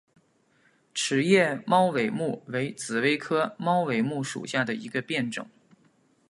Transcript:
齿叶猫尾木为紫葳科猫尾木属下的一个变种。